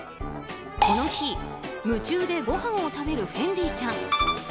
この日、夢中でごはんを食べるフェンディちゃん。